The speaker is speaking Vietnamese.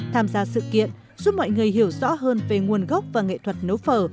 tham gia sự kiện giúp mọi người hiểu rõ hơn về nguồn gốc và nghệ thuật nấu phở